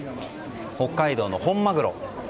北海道の本マグロ。